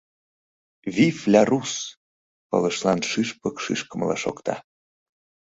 Вив, ля Рус! — пылышлан шӱшпык шӱшкымыла шокта.